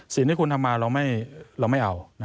สิ่งที่คุณทำมาเราไม่เอา